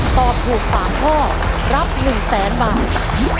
ตอบถูก๓ข้อรับ๑๐๐๐๐บาท